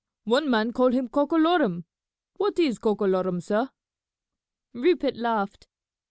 One man call him Cockalorham. What is Cockalorham, sah?" Rupert laughed.